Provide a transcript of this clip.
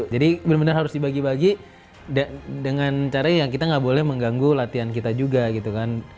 jadi bener bener harus dibagi bagi dengan caranya kita gak boleh mengganggu latihan kita juga gitu kan